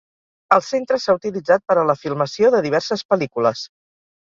El centre s'ha utilitzat per a la filmació de diverses pel·lícules.